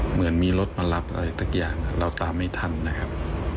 เหมือนมีรถมารับอะไรสักอย่างเราตามไม่ทันนะครับ